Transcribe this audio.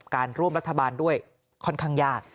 การร่วมรัฐบาลด้วยค่อนข้างยาก